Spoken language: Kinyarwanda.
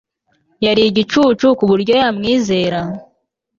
Yari igicucu kuburyo yamwizera